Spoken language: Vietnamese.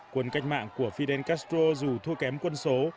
quân cách mạng của fidel castro dù thua kém quân số